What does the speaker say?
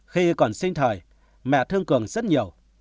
khi còn sinh thời mẹ thương cường rất nhiều